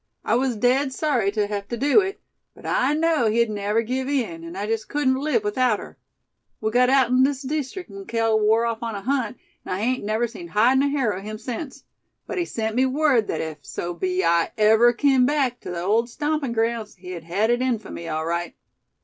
I was dead sorry tuh hev tuh do hit; but I knowed he'd never give in, an' I jest cudn't live without her. We gut outen this deestrict while Cale war off on a hunt, an' I hain't never seen hide nor hair o' him sense. But he sent me word thet ef so be I ever kim back tuh the old stampin' grounds, he hed it in fuh me, all right."